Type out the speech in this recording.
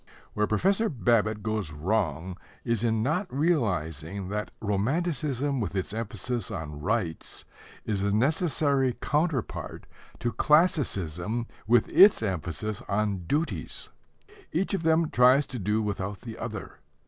Where Professor Babbitt goes wrong is in not realizing that romanticism with its emphasis on rights is a necessary counterpart to classicism with its emphasis on duties. Each of them tries to do without the other.